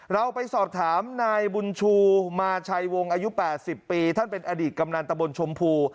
เราไปสอบถามนายบุญชูมาชัยวงอายุ๘๐ปีท่านเป็นอดีตกำนันตะบนชมพู